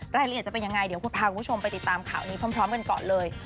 รายละเอียดจะเป็นยังไงเดี๋ยวคุณพาคุณผู้ชมไปติดตามข่าวนี้พร้อมกันก่อนเลย